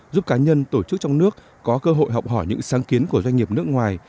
giúp cá nhân tổ chức trong nước có cơ hội học hỏi những sáng kiến của doanh nghiệp nước ngoài